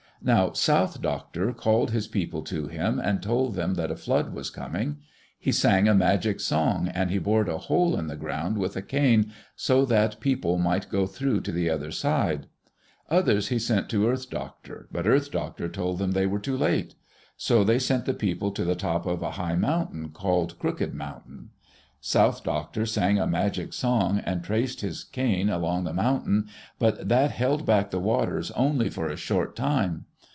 Now South Doctor called his people to him and told them that a flood was coming. He sang a magic song and he bored a hole in the ground with a cane so that people might go through to the other side. Others he sent to Earth Doctor, but Earth Doctor told them they were too late. So they sent the people to the top of a high mountain called Crooked Mountain. South Doctor sang a magic song and traced his cane around the mountain, but that held back the waters only for a short time.